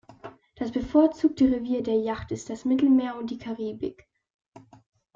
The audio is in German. Das bevorzugte Revier der Yacht ist das Mittelmeer und die Karibik.